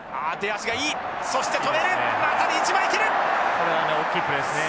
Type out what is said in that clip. これはね大きいプレーですね。